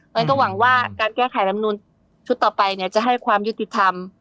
มันก็หวังว่าการแก้ไขรำนูนชุดต่อไปเนี่ยจะให้ความยุติธรรม